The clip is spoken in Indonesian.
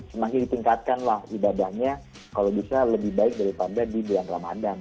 semakin ditingkatkanlah ibadahnya kalau bisa lebih baik daripada di bulan ramadan